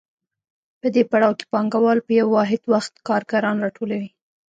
په دې پړاو کې پانګوال په یو واحد وخت کارګران راټولوي